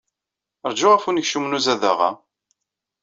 Ṛju ɣef unekcum n uzadaɣ-a.